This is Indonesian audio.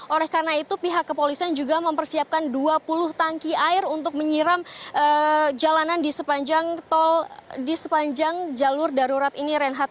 oleh karena itu pihak kepolisian juga mempersiapkan dua puluh tangki air untuk menyiram jalanan di sepanjang jalur darurat ini reinhardt